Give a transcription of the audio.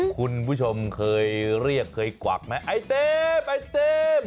คุณผู้ชมเคยเรียกเคยกวักไหมไอเต็มไอเต็ม